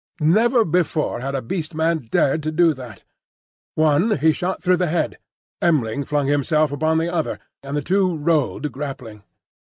Never before had a Beast Man dared to do that. One he shot through the head; M'ling flung himself upon the other, and the two rolled grappling.